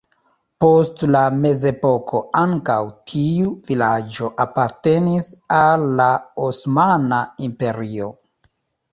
Post la mezepoko ankaŭ tiu vilaĝo apartenis al la Osmana Imperio.